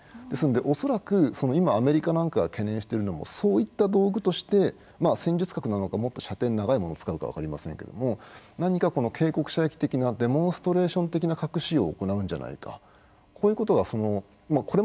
ですので恐らく今アメリカなんかが懸念してるのもそういった道具としてまあ戦術核なのかもっと射程の長いものを使うか分かりませんけども何か警告射撃的なデモンストレーション的な核使用を行うんじゃないかこういうことがまあ